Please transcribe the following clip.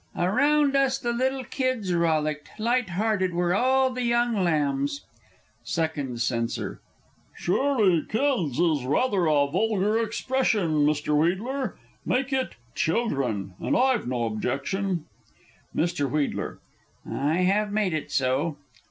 _) "Around us the little kids rollicked, Lighthearted were all the young lambs " Second Censor. Surely "kids" is rather a vulgar expression, Mr. Wheedler? Make it "children," and I've no objection. Mr. W. I have made it so.